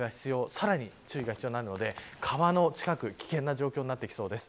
さらに注意が必要になるので川の近く、危険な状態になってきそうです。